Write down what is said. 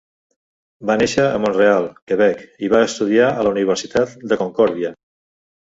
Va néixer a Montreal, Quebec, i va estudiar a la Universitat de Concordia.